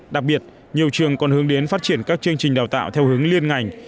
đặc biệt nhiều trường còn hướng đến phát triển các chương trình đào tạo theo hướng liên ngành